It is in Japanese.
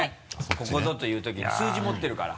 ここぞというときに数字持ってるから。